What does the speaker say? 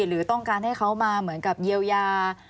หรือต้องการให้เขามาเหมือนกับเยียวยา